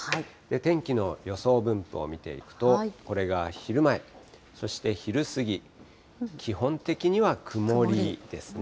天気の予想分布を見ていくと、これが昼前、そして昼過ぎ、基本的には曇りですね。